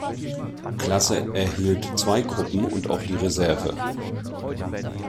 Klasse erhielt zwei Gruppen und auch die Reserve.